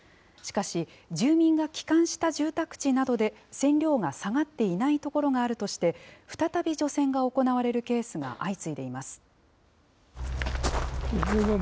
しかし、住民が帰還した住宅地などで線量が下がっていない所があるとして、再び除染が行われるケースが相次いでいます。